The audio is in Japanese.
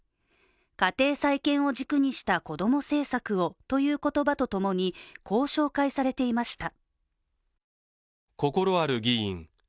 「家庭再建を軸にした子供政策を」という言葉とともにこう紹介されていました。